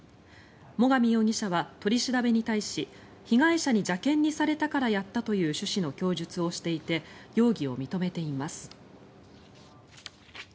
最上容疑者は取り調べに対し被害者に邪険にされたからやったという趣旨の供述をしていて容疑を認めています。